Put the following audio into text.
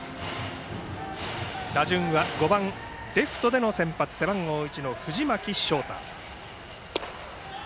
打順は５番レフトでの先発背番号１の藤巻翔汰。